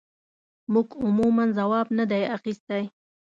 موږ عموماً ځواب نه دی اخیستی.